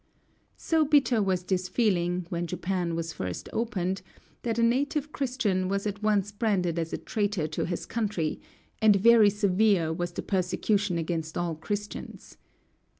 So bitter was this feeling, when Japan was first opened, that a native Christian was at once branded as a traitor to his country, and very severe was the persecution against all Christians.